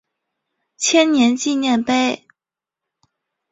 千年纪念碑。